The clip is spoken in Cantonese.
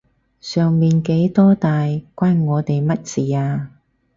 上面幾多大關我哋乜事啊？